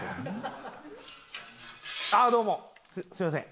ああどうも。